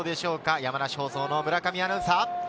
山梨放送の村上アナウンサー。